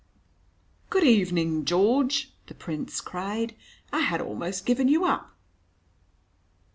"Good evening, George," the Prince cried: "I had almost given you up."